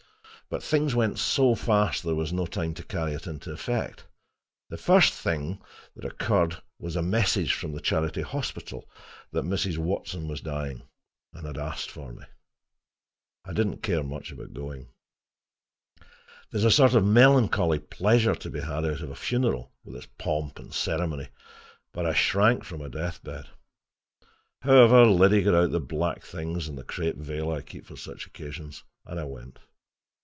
But things went so fast there was no time to carry it into effect. The first thing that occurred was a message from the Charity Hospital that Mrs. Watson was dying, and had asked for me. I did not care much about going. There is a sort of melancholy pleasure to be had out of a funeral, with its pomp and ceremony, but I shrank from a death bed. However, Liddy got out the black things and the crape veil I keep for such occasions, and I went.